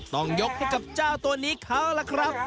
ต้องยกให้กับเจ้าตัวนี้เขาล่ะครับ